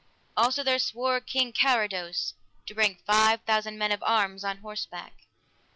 Also there swore King Carados to bring five thousand men of arms on horseback.